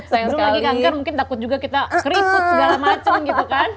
lagi kanker mungkin takut juga kita keriput segala macam gitu kan